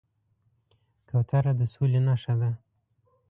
کوتره د سولې نښه ده.